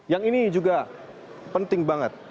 yang ini juga penting banget